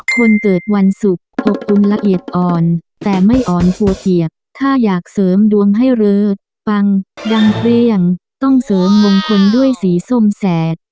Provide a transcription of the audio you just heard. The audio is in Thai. คนเกิดวันศุกร์อบอุ่นละเอียดอ่อนแต่ไม่อ่อนผัวเปียกถ้าอยากเสริมดวงให้เลิศปังดังเปรี้ยงต้องเสริมมงคลด้วยสีส้มแสด